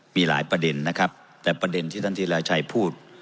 มีหลายประเด็นนะครับแต่ประเด็นที่ท่านธีราชัยพูด